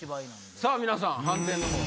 さぁ皆さん判定